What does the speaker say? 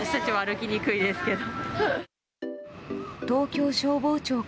東京消防庁